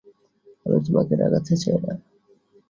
আমি তোমাকে রাগাতে চাই না।